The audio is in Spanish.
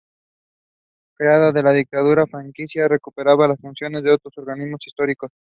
Creado por la Dictadura franquista, recuperaba las funciones de otros organismos históricos.